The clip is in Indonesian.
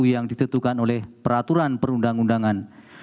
yang ditentukan oleh peraturan perundang undangan